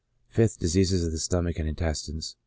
5th. Diseases of the stomach and intestines.